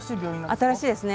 新しいですね。